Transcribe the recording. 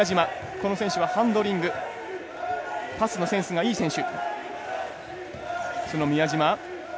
この選手はハンドリングパスのセンスがいい選手。